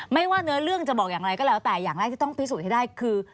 ไม่ว่าเนื้อเรื่องจะบอกอย่างไรก็แล้วแต่อย่างแรกที่ต้องพิสูจน์ให้ได้คือ